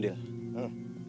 beruntung untuk bersama waridahmu